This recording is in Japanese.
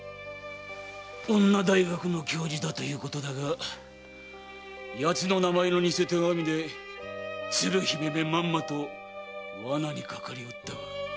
女大学の教授だということだが奴の名前の偽手紙で鶴姫めまんまと罠にかかりおったわ。